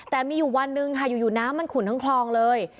แต่มีอยู่วันหนึ่งค่ะอยู่น้ำมันขุนทั้งคลองเลย